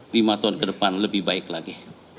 lima tahun kedepan lebih baik lagi